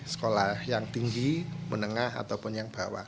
sekolah yang tinggi menengah ataupun yang bawah